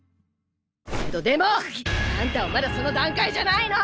けどでもあんたはまだその段階じゃないの！